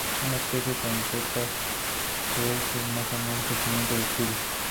Fue el primer líder judío del Partido Conservador desde Benjamin Disraeli.